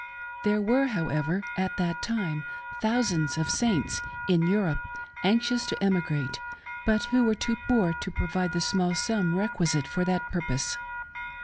There were, however, at that time thousands of Saints in Europe anxious to emigrate, but who were too poor to provide the small sum requisite for that purpose.